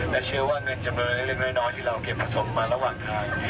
แต่เชื่อว่าเงินเงินน้อยที่เราเก็บผสมมาระหว่างทาง